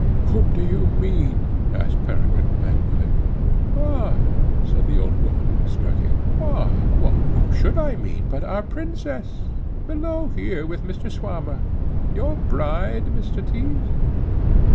"Whom do you mean?" asked Peregrine angrily. "Ah!" said the old woman, smirking, "ah! whom should I mean but our princess, below here with Mr. Swammer, your bride, Mr. Tyss?"